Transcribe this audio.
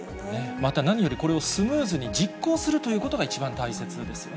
また何より、これをスムーズに実行するということが一番大切ですよね。